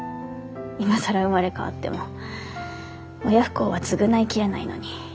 今更生まれ変わっても親不孝は償い切れないのに。